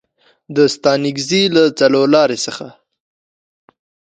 د ستانکزي له څلورلارې څخه